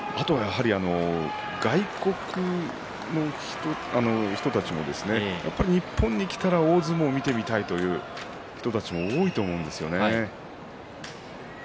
外国の人たちも日本に来たら大相撲を見てみたいという人も多いと思うんですね。